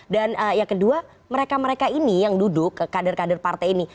dan yang kedua mereka mereka ini yang duduk kader kader partai ini